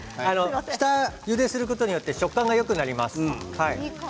下ゆでをすることによって食感がよくなります。